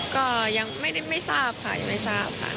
ก็ยังไม่ทราบค่ะยังไม่ทราบค่ะ